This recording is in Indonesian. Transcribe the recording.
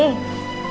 gak gitu sih